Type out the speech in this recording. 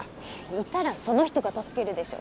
いたらその人が助けるでしょ。